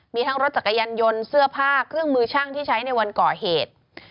มีทั้งรถจักรยานยนต์เสื้อผ้าเครื่องมือช่างที่ใช้ในวันก่อเหตุ